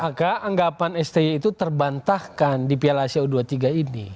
maka anggapan sti itu terbantahkan di piala asia u dua puluh tiga ini